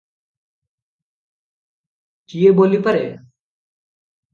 କିଏ ବୋଲିପାରେ?